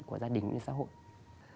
của gia đình và xã hội